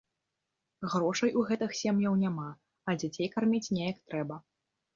Грошай у гэтых сем'яў няма, а дзяцей карміць неяк трэба.